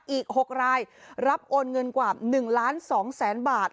อีก๖รายรับโอนเงินกว่า๑ล้าน๒แสนบาท